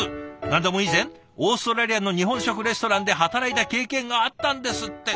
何でも以前オーストラリアの日本食レストランで働いた経験があったんですって。